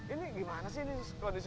ini gimana sih ini kondisi